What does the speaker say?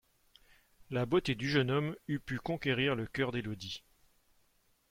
La beauté du jeune homme eût pu reconquérir le cœur d'Élodie.